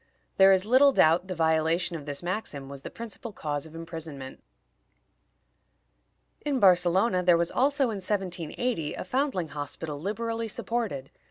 There is little doubt the violation of this maxim was the principal cause of imprisonment. In Barcelona there was also, in 1780, a foundling hospital liberally supported.